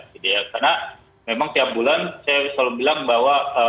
karena memang tiap bulan saya selalu bilang bahwa